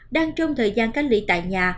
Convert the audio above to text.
đang trong thời gian cách lị tại nhà